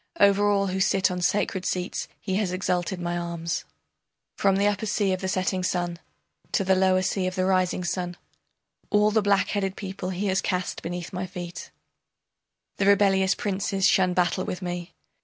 Over all who sit on sacred seats he has exalted my arms, From the upper sea of the setting sun To the lower sea of the rising sun, All the blackheaded people he has cast beneath my feet, The rebellious princes shun battle with me.